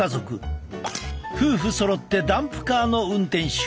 夫婦そろってダンプカーの運転手。